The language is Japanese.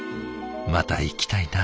また行きたいな」